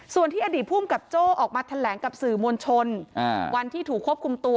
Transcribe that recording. ส่วนที่อดีตภูมิกับโจ้ออกมาแถลงกับสื่อมวลชนวันที่ถูกควบคุมตัว